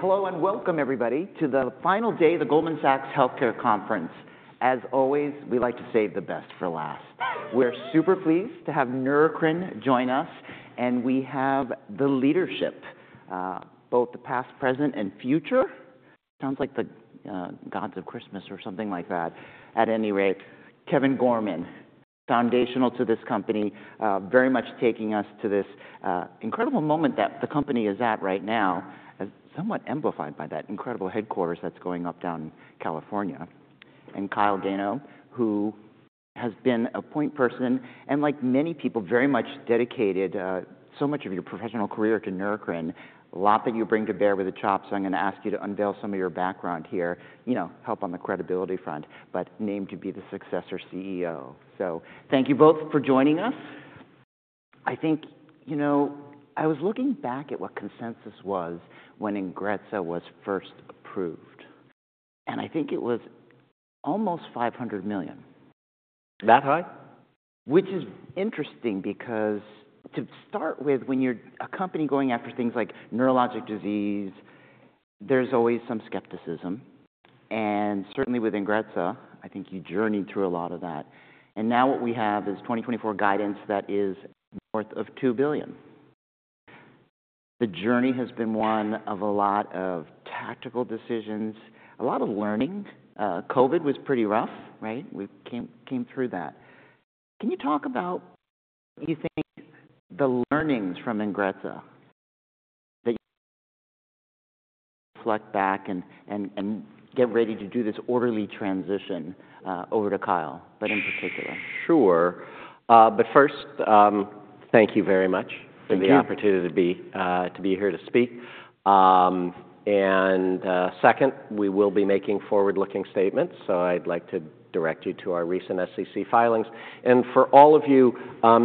Hello and welcome, everybody, to the final day of the Goldman Sachs Healthcare Conference. As always, we like to save the best for last. We're super pleased to have Neurocrine join us, and we have the leadership, both the past, present, and future. Sounds like the gods of Christmas or something like that. At any rate, Kevin Gorman, foundational to this company, very much taking us to this incredible moment that the company is at right now, somewhat amplified by that incredible headquarters that's going up down in California. And Kyle Gano, who has been a point person and, like many people, very much dedicated so much of your professional career to Neurocrine. A lot that you bring to bear with the chops, so I'm going to ask you to unveil some of your background here, help on the credibility front, but named to be the successor CEO. Thank you both for joining us. I think, you know, I was looking back at what consensus was when INGREZZA was first approved, and I think it was almost $500 million. That high? Which is interesting because, to start with, when you're a company going after things like neurologic disease, there's always some skepticism. And certainly with INGREZZA, I think you journeyed through a lot of that. And now what we have is 2024 guidance that is north of $2 billion. The journey has been one of a lot of tactical decisions, a lot of learning. COVID was pretty rough, right? We came through that. Can you talk about what you think the learnings from INGREZZA that you reflect back and get ready to do this orderly transition over to Kyle, but in particular? Sure. But first, thank you very much for the opportunity to be here to speak. And second, we will be making forward-looking statements, so I'd like to direct you to our recent SEC filings. And for all of you,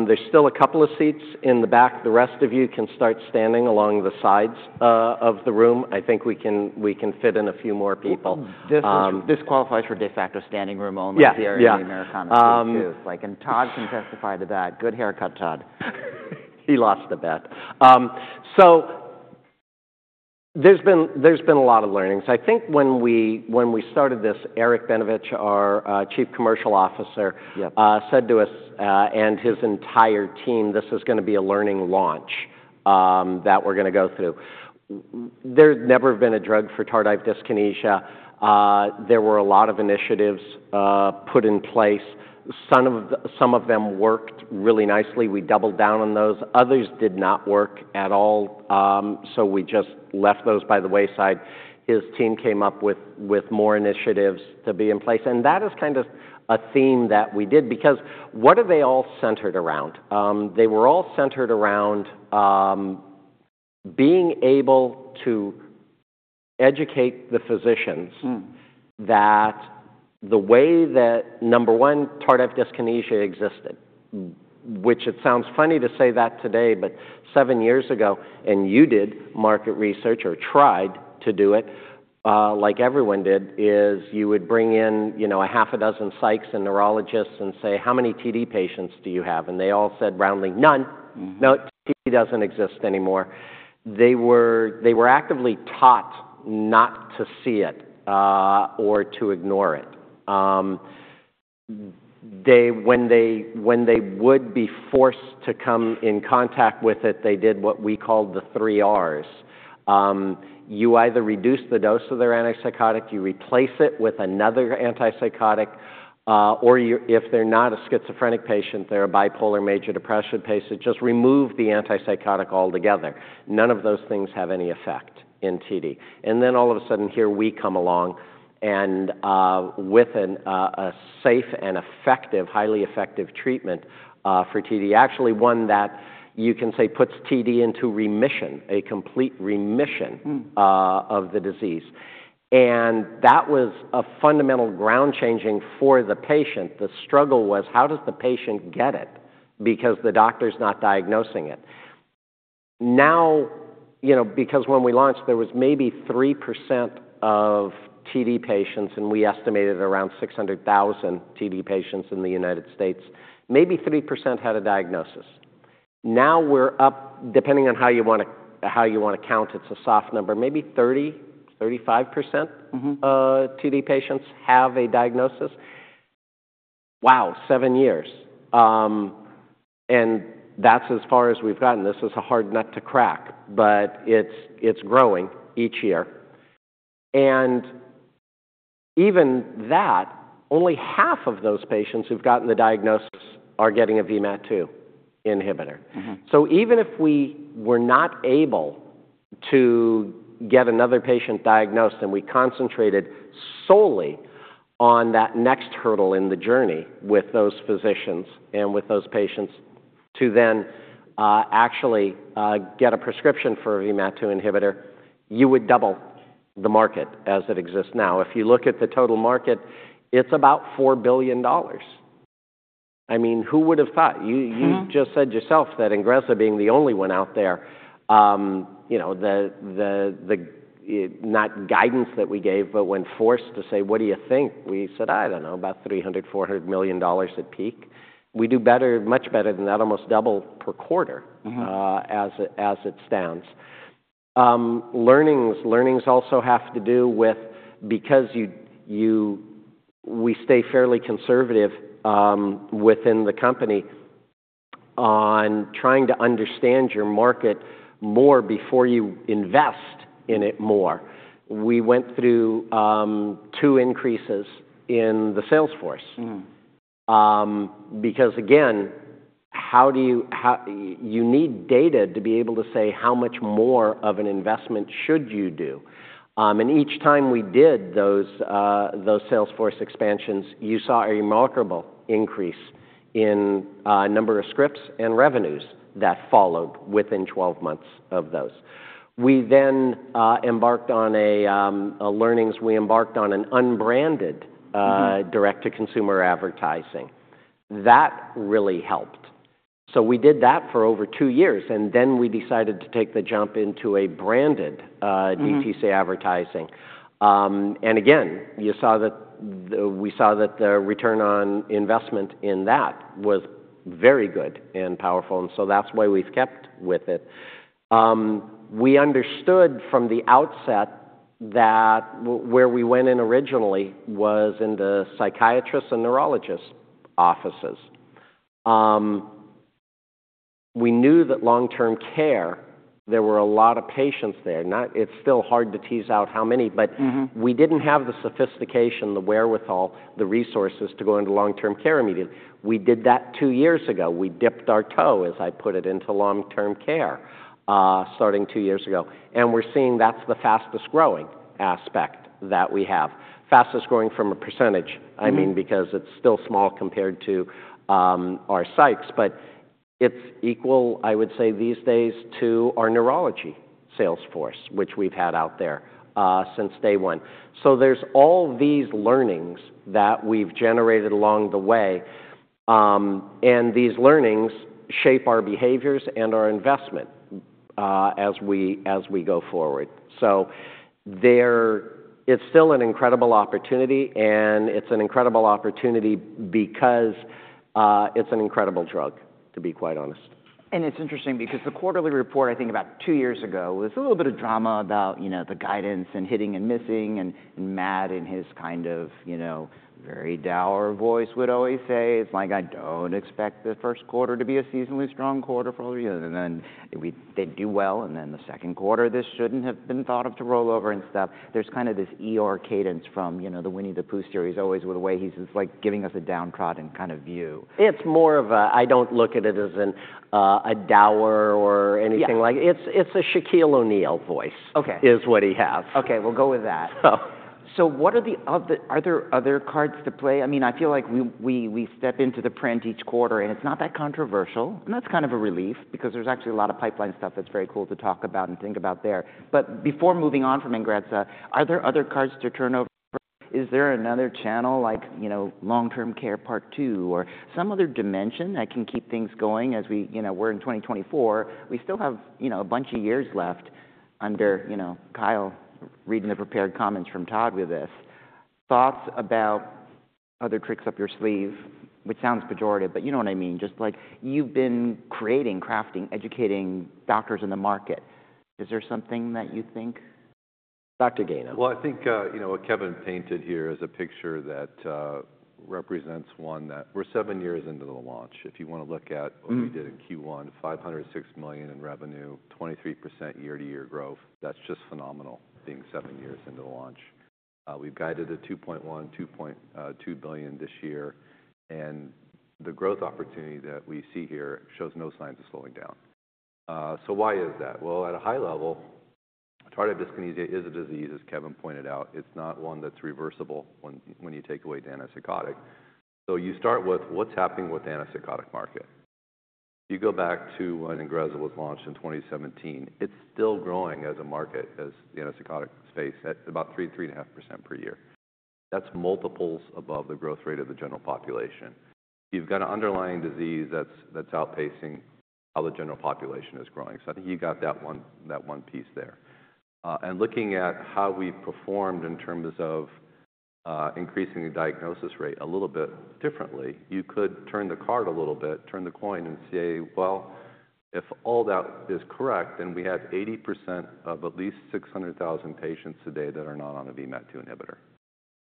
there's still a couple of seats in the back. The rest of you can start standing along the sides of the room. I think we can fit in a few more people. This qualifies for de facto standing room only here in the Americana space, too. Todd can testify to that. Good haircut, Todd. He lost the bet. So there's been a lot of learnings. I think when we started this, Eric Benevich, our Chief Commercial Officer, said to us and his entire team, this is going to be a learning launch that we're going to go through. There's never been a drug for tardive dyskinesia. There were a lot of initiatives put in place. Some of them worked really nicely. We doubled down on those. Others did not work at all, so we just left those by the wayside. His team came up with more initiatives to be in place. And that is kind of a theme that we did because what are they all centered around? They were all centered around being able to educate the physicians that the way that, number one, tardive dyskinesia existed, which it sounds funny to say that today, but seven years ago, and you did market research or tried to do it like everyone did, is you would bring in six psychs and neurologists and say, "How many TD patients do you have?" And they all said roundly, "None. No, TD doesn't exist anymore." They were actively taught not to see it or to ignore it. When they would be forced to come in contact with it, they did what we called the three Rs. You either reduce the dose of their antipsychotic, you replace it with another antipsychotic, or if they're not a schizophrenic patient, they're a bipolar major depressive patient, just remove the antipsychotic altogether. None of those things have any effect in TD. And then all of a sudden here we come along with a safe and effective, highly effective treatment for TD, actually one that you can say puts TD into remission, a complete remission of the disease. That was a fundamental ground changing for the patient. The struggle was, how does the patient get it because the doctor's not diagnosing it? Now, because when we launched, there was maybe 3% of TD patients, and we estimated around 600,000 TD patients in the United States, maybe 3% had a diagnosis. Now we're up, depending on how you want to count, it's a soft number, maybe 30%-35% TD patients have a diagnosis. Wow, seven years. That's as far as we've gotten. This is a hard nut to crack, but it's growing each year. Even that, only half of those patients who've gotten the diagnosis are getting a VMAT2 inhibitor. So even if we were not able to get another patient diagnosed and we concentrated solely on that next hurdle in the journey with those physicians and with those patients to then actually get a prescription for a VMAT2 inhibitor, you would double the market as it exists now. If you look at the total market, it's about $4 billion. I mean, who would have thought? You just said yourself that INGREZZA being the only one out there, not guidance that we gave, but when forced to say, "What do you think?" We said, "I don't know, about $300-$400 million at peak." We do much better than that, almost double per quarter as it stands. Learnings also have to do with, because we stay fairly conservative within the company on trying to understand your market more before you invest in it more. We went through two increases in the sales force because, again, you need data to be able to say how much more of an investment should you do. Each time we did those sales force expansions, you saw a remarkable increase in number of scripts and revenues that followed within 12 months of those. We then embarked on a learnings. We embarked on an unbranded direct-to-consumer advertising. That really helped. We did that for over two years, and then we decided to take the jump into a branded DTC advertising. Again, we saw that the return on investment in that was very good and powerful, and so that's why we've kept with it. We understood from the outset that where we went in originally was in the psychiatrists and neurologists' offices. We knew that long-term care, there were a lot of patients there. It's still hard to tease out how many, but we didn't have the sophistication, the wherewithal, the resources to go into long-term care immediately. We did that two years ago. We dipped our toe, as I put it, into long-term care starting two years ago. We're seeing that's the fastest growing aspect that we have. Fastest growing from a percentage, I mean, because it's still small compared to our psychs, but it's equal, I would say these days, to our neurology sales force, which we've had out there since day one. There's all these learnings that we've generated along the way, and these learnings shape our behaviors and our investment as we go forward. It's still an incredible opportunity, and it's an incredible opportunity because it's an incredible drug, to be quite honest. It's interesting because the quarterly report, I think about two years ago, was a little bit of drama about the guidance and hitting and missing, and Matt in his kind of very dour voice would always say, "It's like I don't expect the first quarter to be a seasonally strong quarter for all the reasons." And then they do well, and then the second quarter, this shouldn't have been thought of to roll over and stuff. There's kind of this cadence from the Winnie the Pooh series, always with the way he's like giving us a downtrodden kind of view. It's more of a, I don't look at it as a dour or anything like that. It's a Shaquille O'Neal voice, what he has. Okay, we'll go with that. So what are the other cards to play? I mean, I feel like we step into the print each quarter, and it's not that controversial, and that's kind of a relief because there's actually a lot of pipeline stuff that's very cool to talk about and think about there. But before moving on from INGREZZA, are there other cards to turn over? Is there another channel, like long-term care part two, or some other dimension that can keep things going as we're in 2024? We still have a bunch of years left under Kyle reading the prepared comments from Todd with this. Thoughts about other tricks up your sleeve, which sounds pejorative, but you know what I mean. Just like you've been creating, crafting, educating doctors in the market. Is there something that you think? Dr. Gano. Well, I think what Kevin painted here is a picture that represents one that we're seven years into the launch. If you want to look at what we did in Q1, $506 million in revenue, 23% year-to-year growth. That's just phenomenal being seven years into the launch. We've guided $2.1-$2.2 billion this year, and the growth opportunity that we see here shows no signs of slowing down. So why is that? Well, at a high level, tardive dyskinesia is a disease, as Kevin pointed out. It's not one that's reversible when you take away the antipsychotic. So you start with what's happening with the antipsychotic market. If you go back to when INGREZZA was launched in 2017, it's still growing as a market, as the antipsychotic space, at about 3%-3.5% per year. That's multiples above the growth rate of the general population. You've got an underlying disease that's outpacing how the general population is growing. So I think you got that one piece there. And looking at how we've performed in terms of increasing the diagnosis rate a little bit differently, you could turn the card a little bit, turn the coin, and say, "Well, if all that is correct, then we have 80% of at least 600,000 patients today that are not on a VMAT2 inhibitor."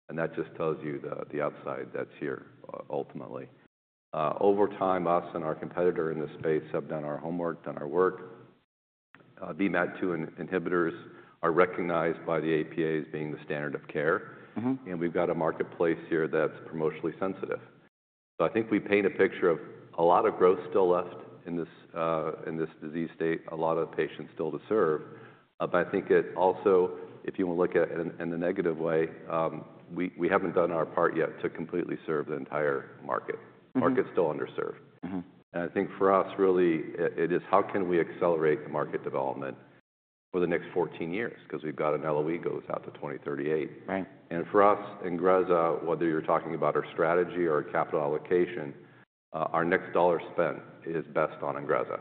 And that just tells you the upside that's here ultimately. Over time, us and our competitor in this space have done our homework, done our work. VMAT2 inhibitors are recognized by the APA as being the standard of care, and we've got a marketplace here that's promotionally sensitive. So I think we paint a picture of a lot of growth still left in this disease state, a lot of patients still to serve. But I think it also, if you want to look at it in the negative way, we haven't done our part yet to completely serve the entire market. The market's still underserved. And I think for us, really, it is how can we accelerate the market development over the next 14 years because we've got an LOE goes out to 2038. And for us, INGREZZA, whether you're talking about our strategy or our capital allocation, our next dollar spent is best on INGREZZA.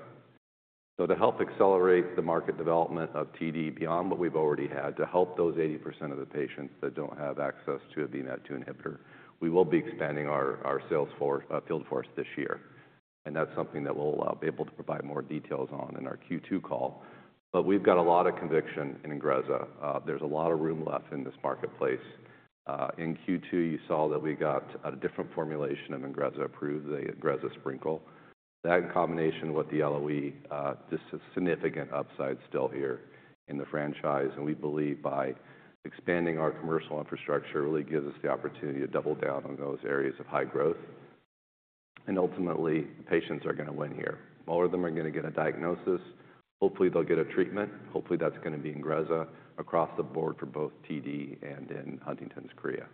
So to help accelerate the market development of TD beyond what we've already had, to help those 80% of the patients that don't have access to a VMAT2 inhibitor, we will be expanding our field force this year. And that's something that we'll be able to provide more details on in our Q2 call. But we've got a lot of conviction in INGREZZA. There's a lot of room left in this marketplace. In Q2, you saw that we got a different formulation of INGREZZA approved, the INGREZZA SPRINKLE. That in combination with the LOE, just a significant upside still here in the franchise. And we believe by expanding our commercial infrastructure really gives us the opportunity to double down on those areas of high growth. And ultimately, patients are going to win here. More of them are going to get a diagnosis. Hopefully, they'll get a treatment. Hopefully, that's going to be INGREZZA across the board for both TD and in Huntington's chorea.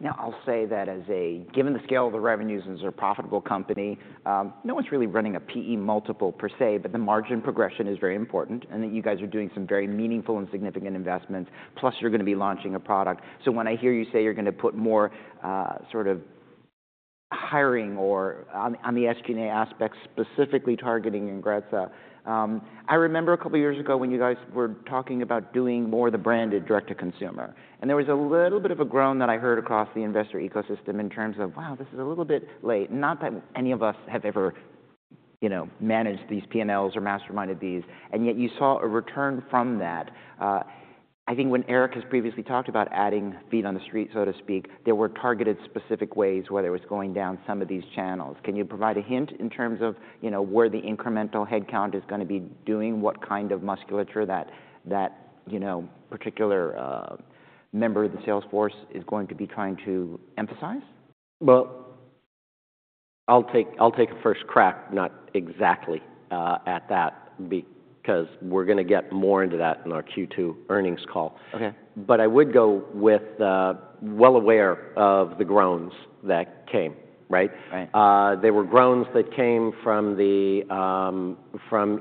Now, I'll say that as a, given the scale of the revenues and as a profitable company, no one's really running a PE multiple per se, but the margin progression is very important and that you guys are doing some very meaningful and significant investments, plus you're going to be launching a product. So when I hear you say you're going to put more sort of hiring or on the SG&A aspect specifically targeting INGREZZA, I remember a couple of years ago when you guys were talking about doing more of the branded direct-to-consumer. And there was a little bit of a groan that I heard across the investor ecosystem in terms of, "Wow, this is a little bit late." Not that any of us have ever managed these P&Ls or masterminded these, and yet you saw a return from that. I think when Eric has previously talked about adding feet on the street, so to speak, there were targeted specific ways where there was going down some of these channels. Can you provide a hint in terms of where the incremental headcount is going to be doing, what kind of musculature that particular member of the sales force is going to be trying to emphasize? Well, I'll take a first crack, not exactly at that, because we're going to get more into that in our Q2 earnings call. But I would go with well aware of the groans that came, right? There were groans that came from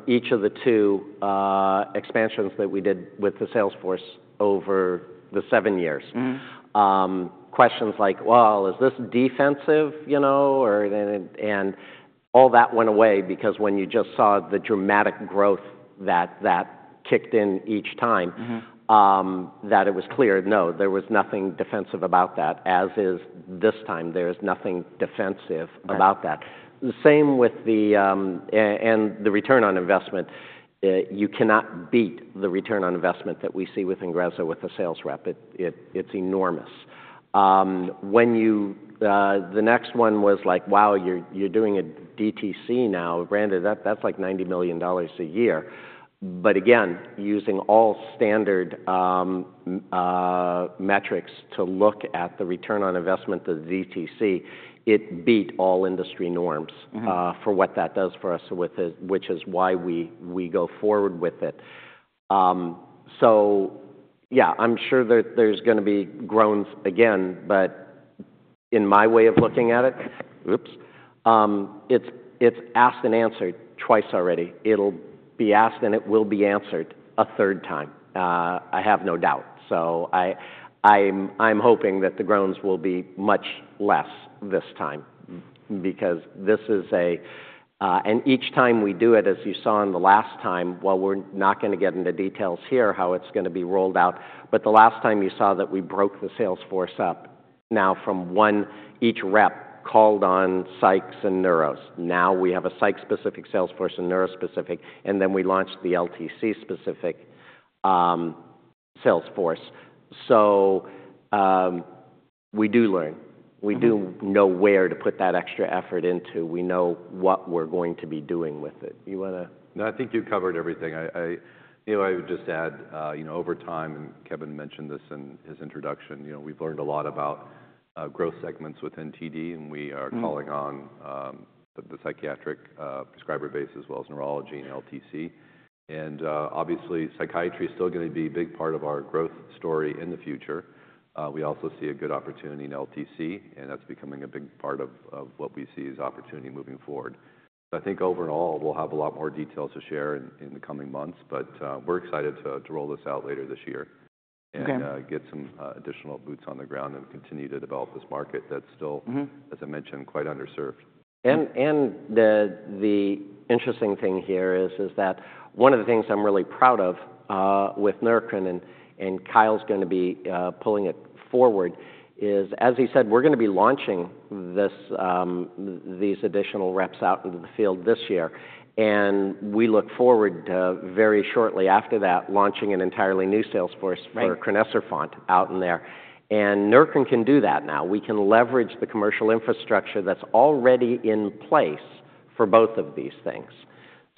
each of the two expansions that we did with the sales force over the seven years. Questions like, "Well, is this defensive?" And all that went away because when you just saw the dramatic growth that kicked in each time, that it was clear, no, there was nothing defensive about that, as is this time, there is nothing defensive about that. Same with the return on investment. You cannot beat the return on investment that we see with INGREZZA with the sales rep. It's enormous. The next one was like, "Wow, you're doing a DTC now." Granted, that's like $90 million a year. But again, using all standard metrics to look at the return on investment of the DTC, it beat all industry norms for what that does for us, which is why we go forward with it. So yeah, I'm sure there's going to be groans again, but in my way of looking at it, oops, it's asked and answered twice already. It'll be asked and it will be answered a third time. I have no doubt. So I'm hoping that the groans will be much less this time because this is a, and each time we do it, as you saw in the last time, well, we're not going to get into details here how it's going to be rolled out. But the last time you saw that we broke the sales force up, now from one each rep called on psychs and neuros. Now we have a psych-specific sales force and neuro-specific, and then we launched the LTC-specific sales force. So we do learn. We do know where to put that extra effort into. We know what we're going to be doing with it. You want to? No, I think you covered everything. I would just add over time, and Kevin mentioned this in his introduction, we've learned a lot about growth segments within TD, and we are calling on the psychiatric prescriber base as well as neurology and LTC. And obviously, psychiatry is still going to be a big part of our growth story in the future. We also see a good opportunity in LTC, and that's becoming a big part of what we see as opportunity moving forward. I think overall, we'll have a lot more details to share in the coming months, but we're excited to roll this out later this year and get some additional boots on the ground and continue to develop this market that's still, as I mentioned, quite underserved. The interesting thing here is that one of the things I'm really proud of with Neurocrine and Kyle's going to be pulling it forward is, as he said, we're going to be launching these additional reps out into the field this year. We look forward very shortly after that, launching an entirely new sales force for crinecerfont out there. Neurocrine can do that now. We can leverage the commercial infrastructure that's already in place for both of these things.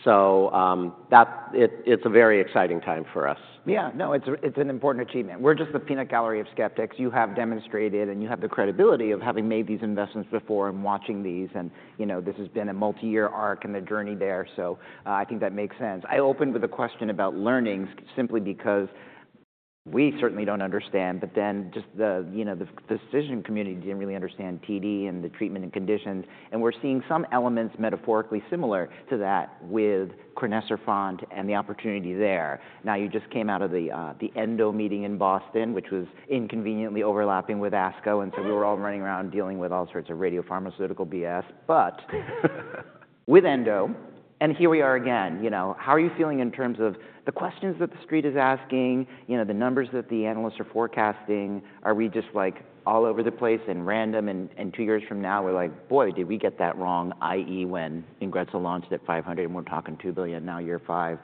So it's a very exciting time for us. Yeah, no, it's an important achievement. We're just the peanut gallery of skeptics. You have demonstrated, and you have the credibility of having made these investments before and watching these. And this has been a multi-year arc and the journey there. So I think that makes sense. I opened with a question about learnings simply because we certainly don't understand, but then just the physician community didn't really understand TD and the treatment and conditions. And we're seeing some elements metaphorically similar to that with crinecerfont and the opportunity there. Now, you just came out of the Endo meeting in Boston, which was inconveniently overlapping with ASCO. And so we were all running around dealing with all sorts of radiopharmaceutical BS. But with Endo, and here we are again, how are you feeling in terms of the questions that the street is asking, the numbers that the analysts are forecasting? Are we just like all over the place and random? And two years from now, we're like, "Boy, did we get that wrong?" I.e. when INGREZZA launched at $500 and we're talking $2 billion now, year five.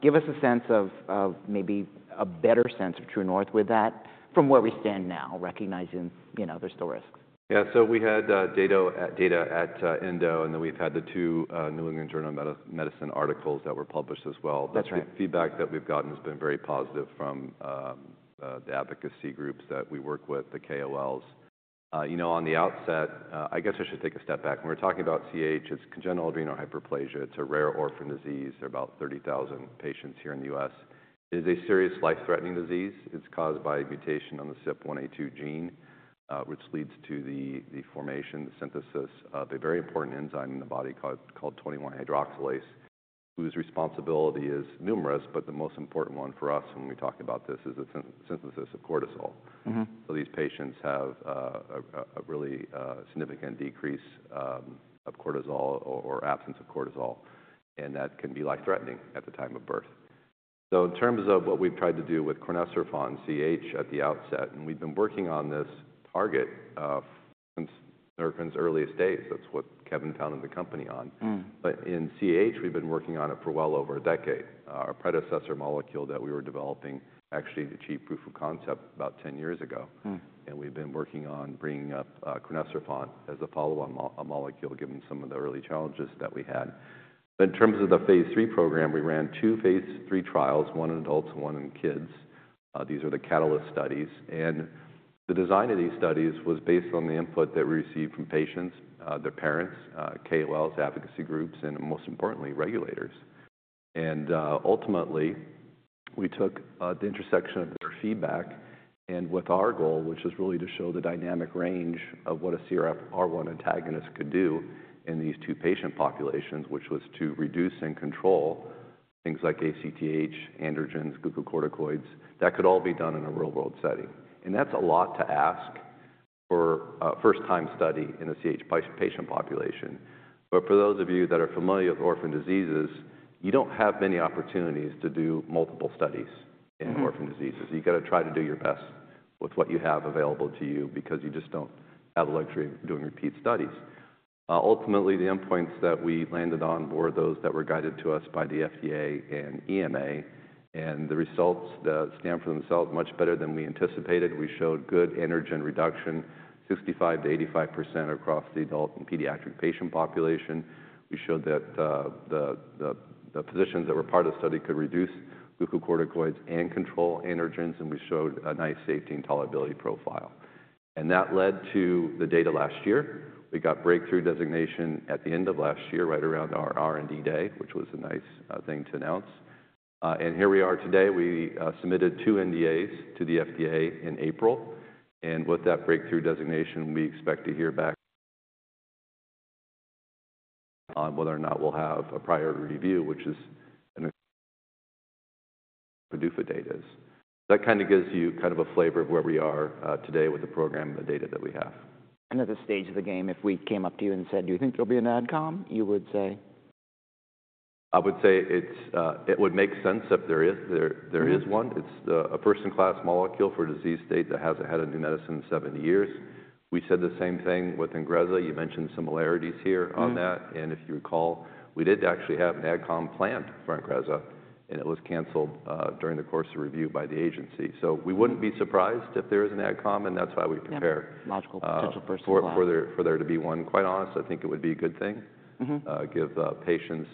Give us a sense of maybe a better sense of true north with that from where we stand now, recognizing there's still risks. Yeah, so we had data at Endo, and then we've had the two New England Journal of Medicine articles that were published as well. The feedback that we've gotten has been very positive from the advocacy groups that we work with, the KOLs. On the outset, I guess I should take a step back. When we're talking about CAH, it's congenital adrenal hyperplasia. It's a rare orphan disease. There are about 30,000 patients here in the U.S. It is a serious life-threatening disease. It's caused by a mutation on the CYP21A2 gene, which leads to the formation, the synthesis of a very important enzyme in the body called 21-hydroxylase, whose responsibility is numerous, but the most important one for us when we talk about this is the synthesis of cortisol. So these patients have a really significant decrease of cortisol or absence of cortisol, and that can be life-threatening at the time of birth. So in terms of what we've tried to do with crinecerfont for CAH at the outset, and we've been working on this target since Neurocrine's earliest days. That's what Kevin founded the company on. But in CAH, we've been working on it for well over a decade. Our predecessor molecule that we were developing actually achieved proof of concept about 10 years ago. And we've been working on bringing up crinecerfont as a follow-on molecule, given some of the early challenges that we had. In terms of the phase III program, we ran two phase III trials, one in adults and one in kids. These are the CAHtalyst studies. The design of these studies was based on the input that we received from patients, their parents, KOLs, advocacy groups, and most importantly, regulators. Ultimately, we took the intersection of their feedback and with our goal, which is really to show the dynamic range of what a CRF1 antagonist could do in these two patient populations, which was to reduce and control things like ACTH, androgens, glucocorticoids. That could all be done in a real-world setting. That's a lot to ask for a first-time study in a CAH patient population. But for those of you that are familiar with orphan diseases, you don't have many opportunities to do multiple studies in orphan diseases. You got to try to do your best with what you have available to you because you just don't have the luxury of doing repeat studies. Ultimately, the endpoints that we landed on were those that were guided to us by the FDA and EMA. The results stand for themselves much better than we anticipated. We showed good androgen reduction, 65%-85% across the adult and pediatric patient population. We showed that the physicians that were part of the study could reduce glucocorticoids and control androgens, and we showed a nice safety and tolerability profile. That led to the data last year. We got breakthrough designation at the end of last year, right around our R&D Day, which was a nice thing to announce. Here we are today. We submitted two NDAs to the FDA in April. With that breakthrough designation, we expect to hear back on whether or not we'll have a prior review, which is PDUFA date. That kind of gives you kind of a flavor of where we are today with the program and the data that we have. Kind of the stage of the game, if we came up to you and said, "Do you think there'll be an AdCom?" You would say? I would say it would make sense if there is one. It's a first-in-class molecule for a disease state that hasn't had a new medicine in 70 years. We said the same thing with INGREZZA. You mentioned similarities here on that. And if you recall, we did actually have an AdCom planned for INGREZZA, and it was canceled during the course of review by the agency. So we wouldn't be surprised if there is an AdCom, and that's why we prepare. Yeah, logical potential first in class. For there to be one. Quite honest, I think it would be a good thing. Give patients,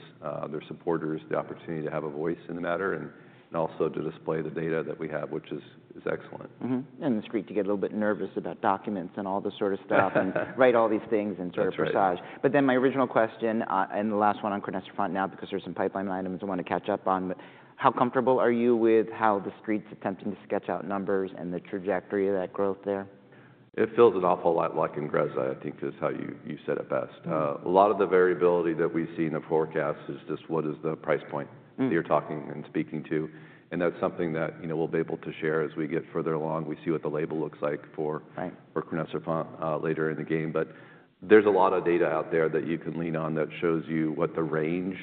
their supporters, the opportunity to have a voice in the matter and also to display the data that we have, which is excellent. And the street could get a little bit nervous about documents and all this sort of stuff and right all these things and sort of presage. But then my original question and the last one on crinecerfont now, because there's some pipeline items I want to catch up on. How comfortable are you with how the street's attempting to sketch out numbers and the trajectory of that growth there? It feels an awful lot like INGREZZA, I think, is how you said it best. A lot of the variability that we see in the forecast is just what is the price point that you're talking and speaking to. And that's something that we'll be able to share as we get further along. We see what the label looks like for crinecerfont later in the game. But there's a lot of data out there that you can lean on that shows you what the range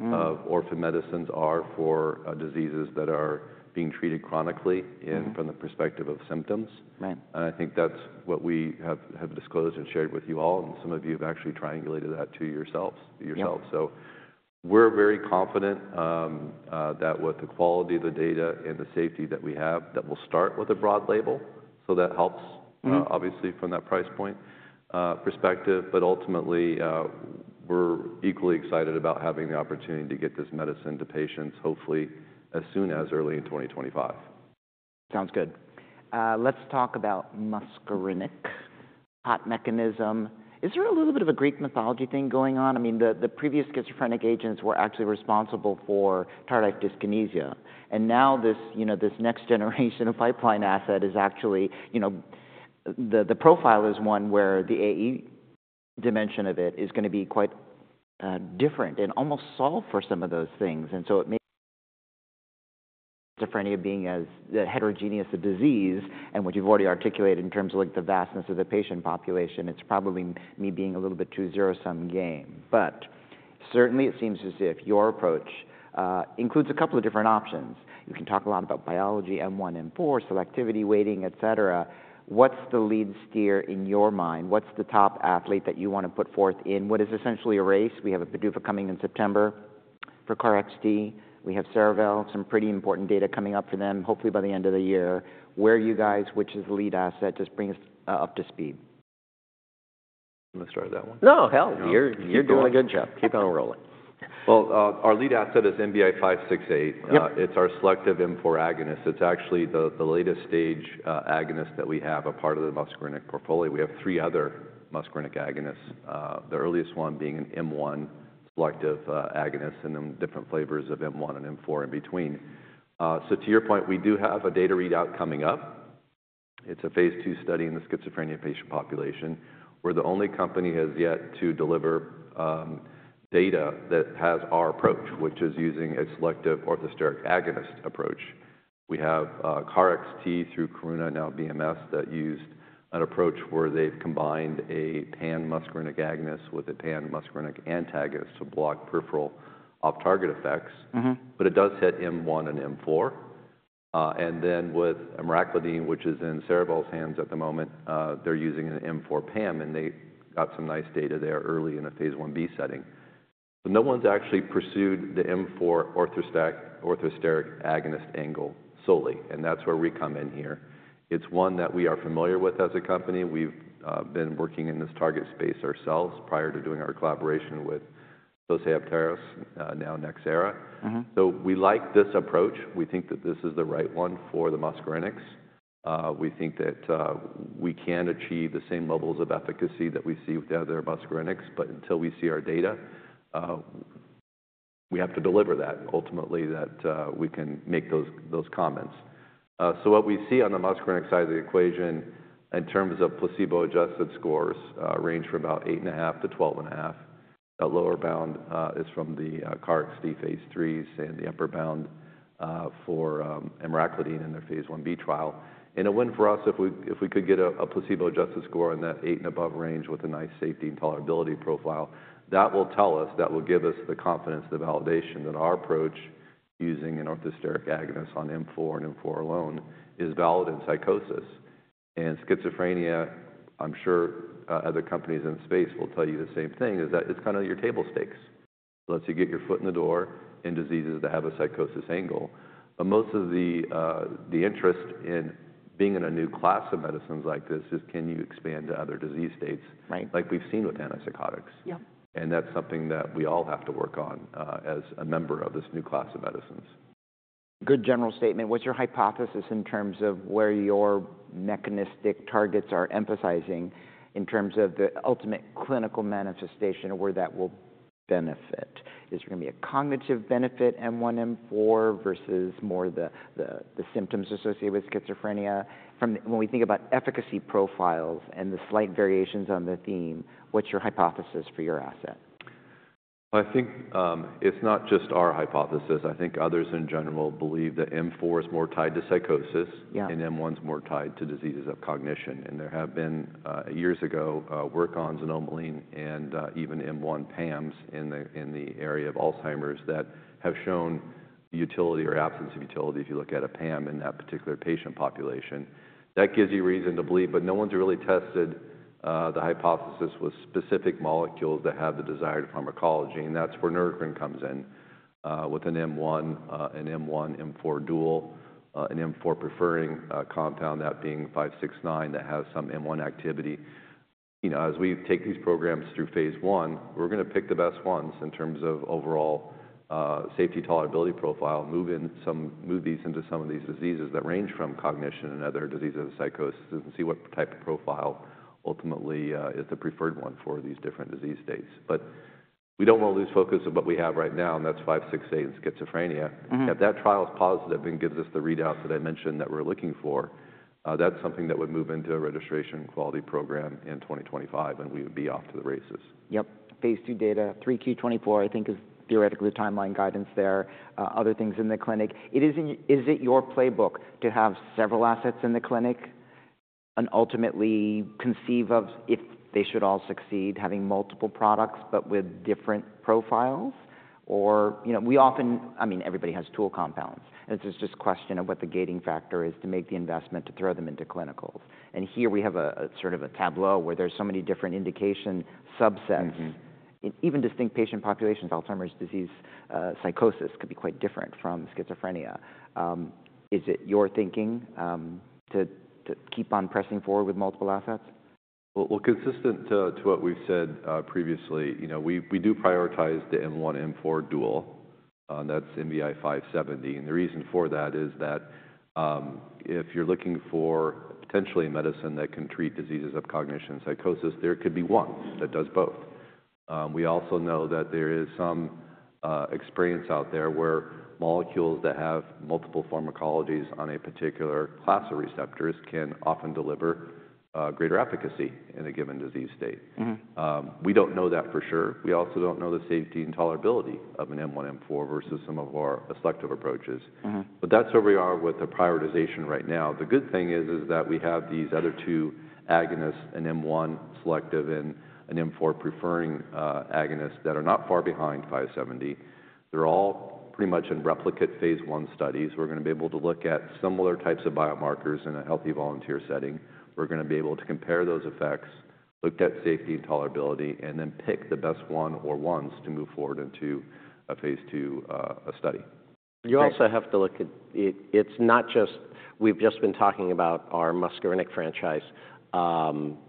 of orphan medicines are for diseases that are being treated chronically from the perspective of symptoms. And I think that's what we have disclosed and shared with you all, and some of you have actually triangulated that to yourselves. So we're very confident that with the quality of the data and the safety that we have, that we'll start with a broad label. That helps, obviously, from that price point perspective. Ultimately, we're equally excited about having the opportunity to get this medicine to patients, hopefully as soon as early in 2025. Sounds good. Let's talk about muscarinic hot mechanism. Is there a little bit of a Greek mythology thing going on? I mean, the previous schizophrenic agents were actually responsible for tardive dyskinesia. Now this next generation of pipeline asset is actually the profile is one where the AE dimension of it is going to be quite different and almost solve for some of those things. So it may be schizophrenia being as heterogeneous a disease, and what you've already articulated in terms of the vastness of the patient population, it's probably me being a little bit too zero-sum game. But certainly, it seems as if your approach includes a couple of different options. You can talk a lot about biology M1, M4, selectivity, weighting, etc. What's the lead steer in your mind? What's the top athlete that you want to put forth in what is essentially a race? We have a PDUFA coming in September for KarXT. We have Cerevel. Some pretty important data coming up for them, hopefully by the end of the year. Where are you guys, which is the lead asset? Just bring us up to speed. Let me start that one. No, hell. You're doing a good job. Keep on rolling. Well, our lead asset is NBI-568. It's our selective M4 agonist. It's actually the latest stage agonist that we have as part of the muscarinic portfolio. We have three other muscarinic agonists, the earliest one being an M1 selective agonist and then different flavors of M1 and M4 in between. So to your point, we do have a data readout coming up. It's a phase II study in the schizophrenia patient population. We're the only company that has yet to deliver data that has our approach, which is using a selective orthosteric agonist approach. We have KarXT through Karuna now BMS that used an approach where they've combined a pan-muscarinic agonist with a pan-muscarinic antagonist to block peripheral off-target effects. But it does hit M1 and M4. And then with emraclidine, which is in Cerevel's hands at the moment, they're using an M4 PAM, and they got some nice data there early in a phase Ib setting. No one's actually pursued the M4 orthosteric agonist angle solely, and that's where we come in here. It's one that we are familiar with as a company. We've been working in this target space ourselves prior to doing our collaboration with Sosei Heptares, now Nxera. So we like this approach. We think that this is the right one for the muscarinics. We think that we can achieve the same levels of efficacy that we see with the other muscarinics, but until we see our data, we have to deliver that ultimately that we can make those comments. So what we see on the muscarinic side of the equation in terms of placebo-adjusted scores range from about 8.5-12.5. That lower bound is from the KarXT phase IIIs and the upper bound for emraclidine in their phase Ib trial. And it wouldn't for us if we could get a placebo-adjusted score in that 8 and above range with a nice safety and tolerability profile. That will tell us, that will give us the confidence, the validation that our approach using an orthosteric agonist on M4 and M4 alone is valid in psychosis. And schizophrenia, I'm sure other companies in the space will tell you the same thing, is that it's kind of your table stakes. It lets you get your foot in the door in diseases that have a psychosis angle. But most of the interest in being in a new class of medicines like this is, can you expand to other disease states like we've seen with antipsychotics? That's something that we all have to work on as a member of this new class of medicines. Good general statement. What's your hypothesis in terms of where your mechanistic targets are emphasizing in terms of the ultimate clinical manifestation where that will benefit? Is there going to be a cognitive benefit M1, M4 versus more the symptoms associated with schizophrenia? When we think about efficacy profiles and the slight variations on the theme, what's your hypothesis for your asset? I think it's not just our hypothesis. I think others in general believe that M4 is more tied to psychosis and M1 is more tied to diseases of cognition. And there have been years ago work on xanomeline and even M1 PAMs in the area of Alzheimer's that have shown utility or absence of utility if you look at a PAM in that particular patient population. That gives you reason to believe, but no one's really tested the hypothesis with specific molecules that have the desired pharmacology. And that's where Neurocrine comes in with an M1, an M1, M4 dual, an M4 preferring compound, that being 569 that has some M1 activity. As we take these programs through phase I, we're going to pick the best ones in terms of overall safety tolerability profile, move these into some of these diseases that range from cognition and other diseases of psychosis, and see what type of profile ultimately is the preferred one for these different disease states. But we don't want to lose focus of what we have right now, and that's 568 and schizophrenia. If that trial is positive and gives us the readouts that I mentioned that we're looking for, that's something that would move into a registration quality program in 2025, and we would be off to the races. Yep. phase II data, 3Q 2024, I think is theoretically the timeline guidance there. Other things in the clinic. Is it your playbook to have several assets in the clinic and ultimately conceive of, if they should all succeed, having multiple products but with different profiles? Or we often, I mean, everybody has tool compounds. It's just a question of what the gating factor is to make the investment to throw them into clinicals. And here we have a sort of a tableau where there's so many different indication subsets. Even distinct patient populations, Alzheimer's disease, psychosis could be quite different from schizophrenia. Is it your thinking to keep on pressing forward with multiple assets? Well, consistent to what we've said previously, we do prioritize the M1, M4 dual. That's NBI-570. And the reason for that is that if you're looking for potentially a medicine that can treat diseases of cognition and psychosis, there could be one that does both. We also know that there is some experience out there where molecules that have multiple pharmacologies on a particular class of receptors can often deliver greater efficacy in a given disease state. We don't know that for sure. We also don't know the safety and tolerability of an M1, M4 versus some of our selective approaches. But that's where we are with the prioritization right now. The good thing is that we have these other two agonists, an M1 selective and an M4 preferring agonist that are not far behind 570. They're all pretty much in replicate phase I studies. We're going to be able to look at similar types of biomarkers in a healthy volunteer setting. We're going to be able to compare those effects, look at safety and tolerability, and then pick the best one or ones to move forward into a phase II study. You also have to look at it's not just we've just been talking about our muscarinic franchise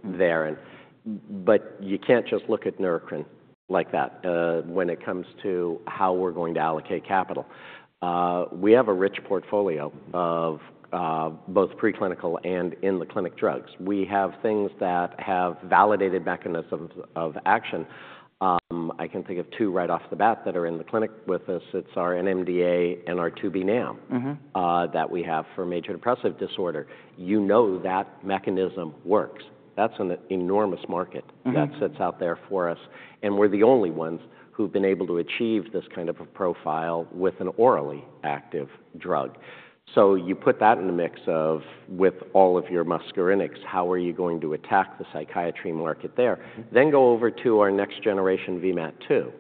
there, but you can't just look at Neurocrine like that when it comes to how we're going to allocate capital. We have a rich portfolio of both preclinical and in-the-clinic drugs. We have things that have validated mechanisms of action. I can think of two right off the bat that are in the clinic with us. It's our NMDA and our 2B NAM that we have for major depressive disorder. You know that mechanism works. That's an enormous market that sits out there for us. And we're the only ones who've been able to achieve this kind of a profile with an orally active drug. So you put that in the mix of with all of your muscarinics, how are you going to attack the psychiatry market there? Then go over to our next generation VMAT2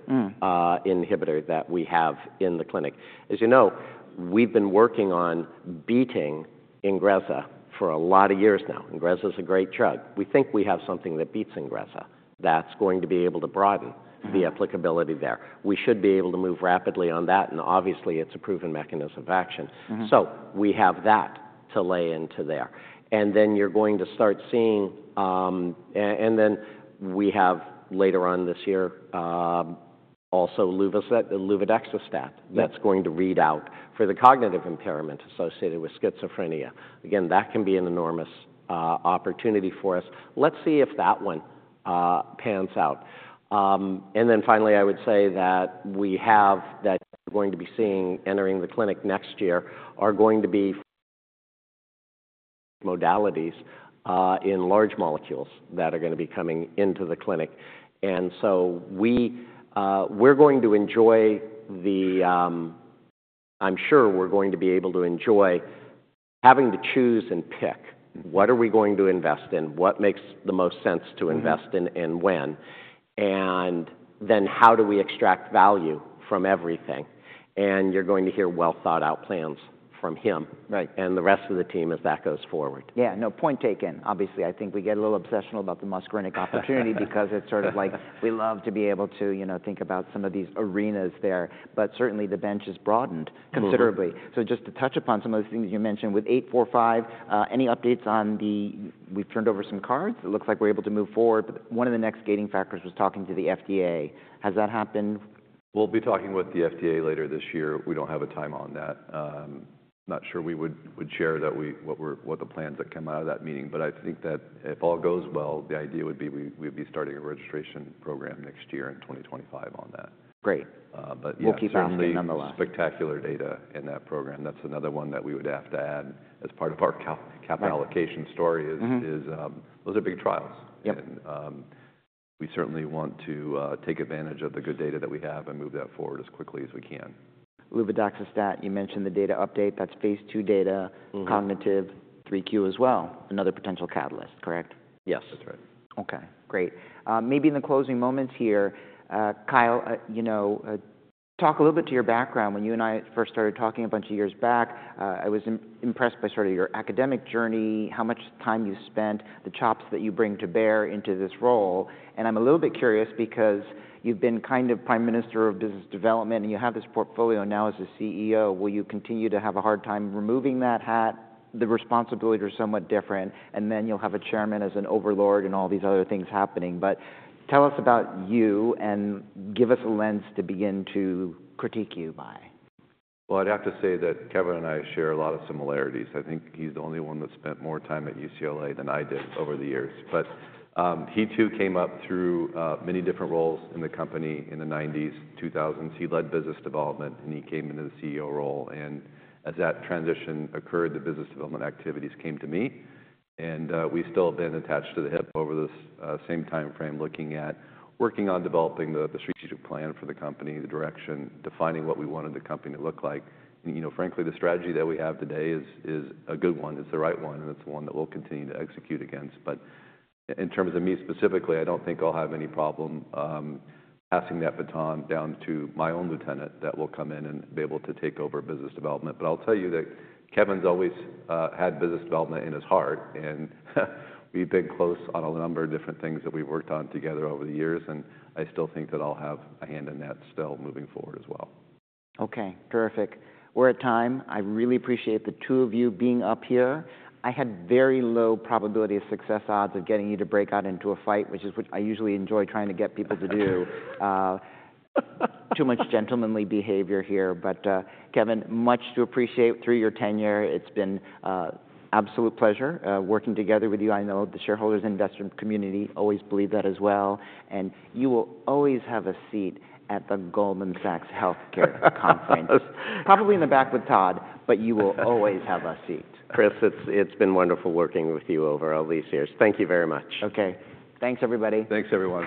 inhibitor that we have in the clinic. As you know, we've been working on beating INGREZZA for a lot of years now. INGREZZA is a great drug. We think we have something that beats INGREZZA that's going to be able to broaden the applicability there. We should be able to move rapidly on that, and obviously, it's a proven mechanism of action. So we have that to lay into there. And then you're going to start seeing and then we have later on this year also luvadaxistat that's going to read out for the cognitive impairment associated with schizophrenia. Again, that can be an enormous opportunity for us. Let's see if that one pans out. And then finally, I would say that we have that we're going to be seeing entering the clinic next year are going to be modalities in large molecules that are going to be coming into the clinic. And so we're going to enjoy the, I'm sure we're going to be able to enjoy having to choose and pick what are we going to invest in, what makes the most sense to invest in, and when, and then how do we extract value from everything. And you're going to hear well-thought-out plans from him and the rest of the team as that goes forward. Yeah. No point taken. Obviously, I think we get a little obsessional about the muscarinic opportunity because it's sort of like we love to be able to think about some of these arenas there. But certainly, the bench is broadened considerably. So just to touch upon some of the things you mentioned with 845, any updates on that? We've turned over some cards. It looks like we're able to move forward. But one of the next gating factors was talking to the FDA. Has that happened? We'll be talking with the FDA later this year. We don't have a time on that. I'm not sure we would share what the plans that come out of that meeting. I think that if all goes well, the idea would be we'd be starting a registration program next year in 2025 on that. Great. We'll keep our money nonetheless. We have some spectacular data in that program. That's another one that we would have to add as part of our capital allocation story is those are big trials. We certainly want to take advantage of the good data that we have and move that forward as quickly as we can. Luvadaxistat, you mentioned the data update. That's phase II data, cognitive 3Q as well, another potential catalyst, correct? Yes. Okay. Great. Maybe in the closing moments here, Kyle, you know, talk a little bit to your background. When you and I first started talking a bunch of years back, I was impressed by sort of your academic journey, how much time you spent, the chops that you bring to bear into this role. And I'm a little bit curious because you've been kind of Prime Minister of Business Development, and you have this portfolio now as a CEO. Will you continue to have a hard time removing that hat? The responsibilities are somewhat different, and then you'll have a chairman as an overlord and all these other things happening. But tell us about you and give us a lens to begin to critique you by. Well, I'd have to say that Kevin and I share a lot of similarities. I think he's the only one that spent more time at UCLA than I did over the years. But he too came up through many different roles in the company in the 1990s, 2000s. He led business development, and he came into the CEO role. And as that transition occurred, the business development activities came to me. And we've still been attached to the hip over this same timeframe looking at working on developing the strategic plan for the company, the direction, defining what we wanted the company to look like. Frankly, the strategy that we have today is a good one, is the right one, and it's the one that we'll continue to execute against. In terms of me specifically, I don't think I'll have any problem passing that baton down to my own lieutenant that will come in and be able to take over business development. I'll tell you that Kevin's always had business development in his heart, and we've been close on a number of different things that we've worked on together over the years. I still think that I'll have a hand in that still moving forward as well. Okay. Terrific. We're at time. I really appreciate the two of you being up here. I had very low probability of success odds of getting you to break out into a fight, which is what I usually enjoy trying to get people to do. Too much gentlemanly behavior here. But Kevin, much to appreciate through your tenure. It's been an absolute pleasure working together with you. I know the shareholders and investor community always believe that as well. You will always have a seat at the Goldman Sachs Healthcare Conference, probably in the back with Todd, but you will always have a seat. Chris, it's been wonderful working with you over all these years. Thank you very much. Okay. Thanks, everybody. Thanks, everyone.